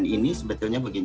ini sebetulnya begini